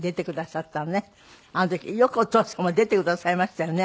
あの時よくお父様出てくださいましたよね